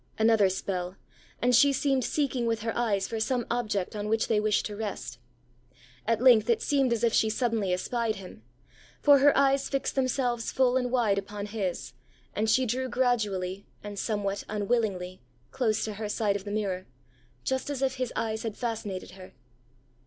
Another spell; and she seemed seeking with her eyes for some object on which they wished to rest. At length it seemed as if she suddenly espied him; for her eyes fixed themselves full and wide upon his, and she drew gradually, and somewhat unwillingly, close to her side of the mirror, just as if his eyes had fascinated her.